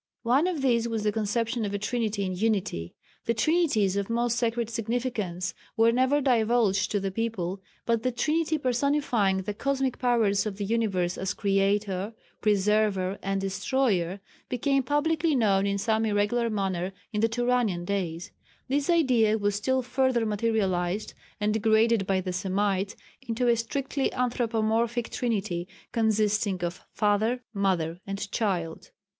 One of these was the conception of a Trinity in Unity. The Trinities of most sacred significance were never divulged to the people, but the Trinity personifying the cosmic powers of the universe as Creator, Preserver, and Destroyer, became publicly known in some irregular manner in the Turanian days. This idea was still further materialized and degraded by the Semites into a strictly anthropomorphic Trinity consisting of father, mother and child.